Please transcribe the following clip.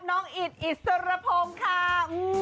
ของอีชอิศรพงค์ค่ะ